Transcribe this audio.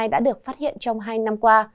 đã được phát hiện trong hai năm qua